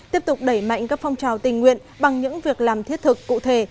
tiếp tục đẩy mạnh các phong trào tình nguyện bằng những việc làm thiết thực cụ thể